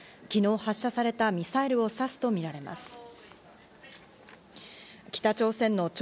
昨日発射されたミサイルを指すとみられます。